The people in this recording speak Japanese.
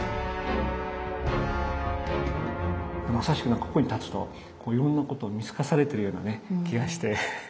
まさしくここに立つといろんなことを見透かされてるようなね気がして。